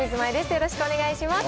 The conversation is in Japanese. よろしくお願いします。